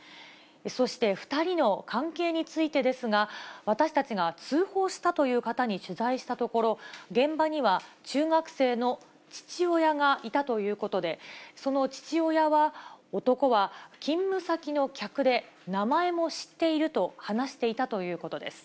そして、２人の関係についてですが、私たちが通報したという方に取材したところ、現場には中学生の父親がいたということで、その父親は、男は勤務先の客で、名前も知っていると話していたということです。